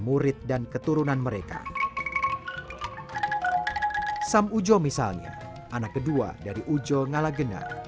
murid dan keturunan mereka sam ujjo misalnya anak kedua dari ujjo ngala gena